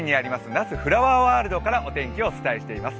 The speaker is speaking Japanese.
那須フラワーワールドからお天気をお伝えしております。